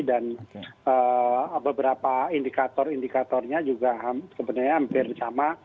dan beberapa indikator indikatornya juga sebenarnya hampir sama